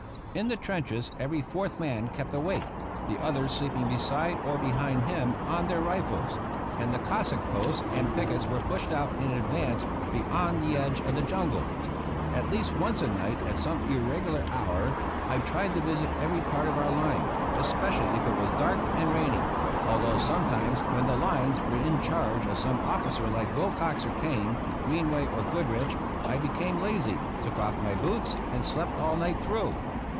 In the trenches every fourth man kept awake, the others sleeping beside or behind him on their rifles; and the Cossack posts and pickets were pushed out in advance beyond the edge of the jungle. At least once a night at some irregular hour I tried to visit every part of our line, especially if it was dark and rainy, although sometimes, when the lines were in charge of some officer like Wilcox or Kane, Greenway or Goodrich, I became lazy, took off my boots, and slept all night through.